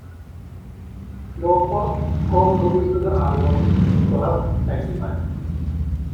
Lauper co-produced the album with Russ Titelman.